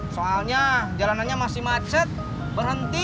soalnya jalanannya masih macet berhenti